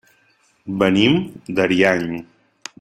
Venim d'Ariany.